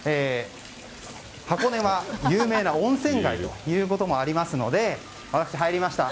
箱根は、有名な温泉街ということもありますので私、入りました。